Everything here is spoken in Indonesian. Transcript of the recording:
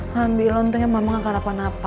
alhamdulillah untungnya mama gak kena apa apa